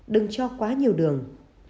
đừng cho quá nhiều đường